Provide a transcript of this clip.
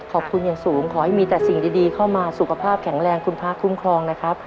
ขอบคุณอย่างสูงขอให้มีแต่สิ่งดีเข้ามาสุขภาพแข็งแรงคุณพระคุ้มครองนะครับ